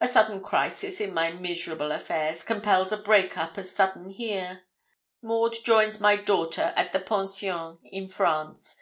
A sudden crisis in my miserable affairs compels a break up as sudden here. Maud joins my daughter at the Pension, in France.